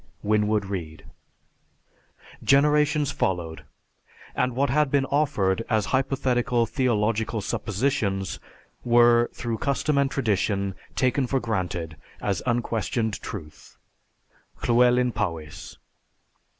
_ WINWOOD READE. _Generations followed and what had been offered as hypothetical theological suppositions were through custom and tradition taken for granted as unquestioned truth._ LLEWELYN POWYS.